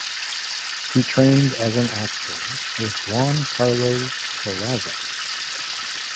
He trained as an actor with Juan Carlos Corazza.